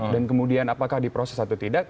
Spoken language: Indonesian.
dan kemudian apakah diproses atau tidak